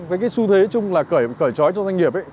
với cái xu thế chung là cởi trói cho doanh nghiệp ấy